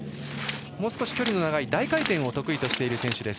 もう少し距離の長い大回転を得意とする選手。